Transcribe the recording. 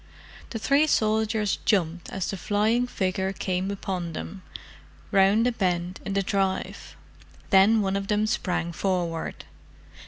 The three soldiers jumped as the flying figure came upon them, round a bend in the drive. Then one of them sprang forward.